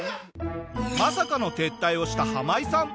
まさかの撤退をしたハマイさん。